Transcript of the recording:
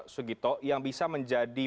sugito yang bisa menjadi